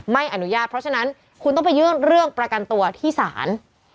ไม่อนุญาตเพราะฉะนั้นคุณต้องไปยื่นเรื่องประกันตัวที่ศาล